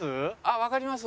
わかります？